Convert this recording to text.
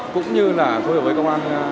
cũng như là phối hợp với công an giao thông đội sáu